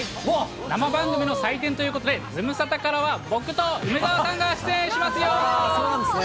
生番組の祭典ということで、ズムサタからは、僕と梅澤さんがそうなんですね。